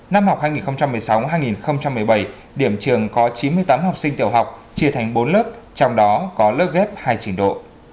năm học hai nghìn một mươi sáu hai nghìn một mươi bảy điểm trường có chín mươi tám học sinh tiểu học chia thành bốn lớp trong đó có lớp ghép hai trình độ